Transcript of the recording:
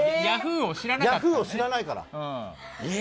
ヤフーを知らないから。